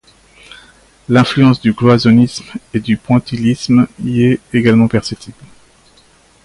L'influence du cloisonnisme et du pointillisme y est également perceptible.